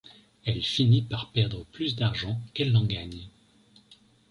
Elle finit par perdre plus d'argent qu'elle n'en gagne.